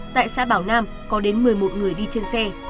tại xã bảo nam có đến một mươi một người đi trên xe